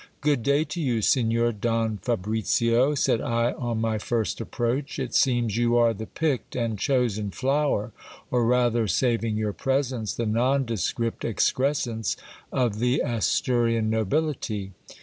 Good day to you, Signor Don Fabricio, said I on my first approach ; it seems you are the picked and chosen flower, or rather, saving your presence, the nondescript excrescence of the Asturian nobility.